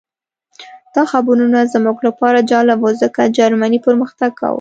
دا خبرونه زموږ لپاره جالب وو ځکه جرمني پرمختګ کاوه